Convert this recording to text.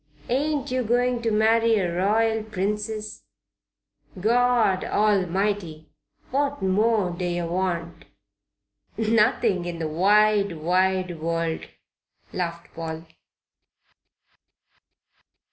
Ain't yer going to marry a Royal Princess? Good God Almighty! what more d'yer want?" "Nothing in the wide, wide world!" laughed Paul.